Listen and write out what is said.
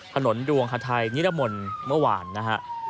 ถนนดวงฮาไทยนิรมนต์เมื่อวานนะครับ